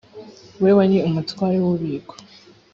we wari umutware w’ububiko